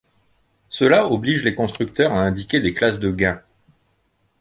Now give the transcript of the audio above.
Cela oblige les constructeurs à indiquer des classes de gain.